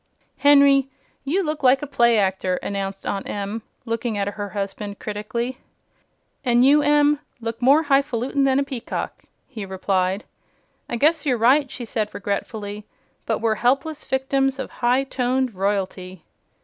"Henry, you look like a play actor," announced Aunt Em, looking at her husband critically. "An' you, Em, look more highfalutin' than a peacock," he replied. "I guess you're right," she said regretfully; "but we're helpless victims of high toned royalty."